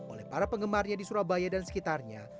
oleh para penggemarnya di surabaya dan sekitarnya